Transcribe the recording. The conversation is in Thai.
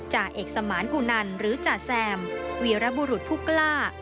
จ่าเอกสมานกุนันหรือจ่าแซมวีรบุรุษผู้กล้า